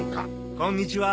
こんにちは。